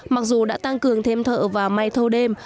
mặc dù đã tăng cường thêm thợ và may thâu đêm